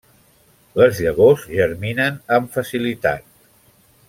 Les llavors germinen amb facilitat.